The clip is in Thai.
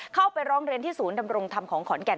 เข้าไปร้องเรียนที่ศูนย์ดำรงธรรมของขอนแก่น